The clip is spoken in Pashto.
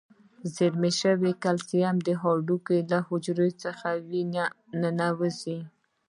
زیرمه شوي کلسیم د هډوکو له حجرو څخه وینې ته ننوزي.